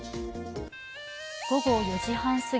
午後４時半すぎ